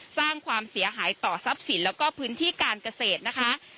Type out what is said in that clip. สร้างความเสียหายต่อทรัพย์สินแล้วก็พื้นที่การเกษตรนะคะ